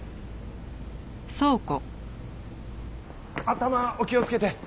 頭お気をつけて。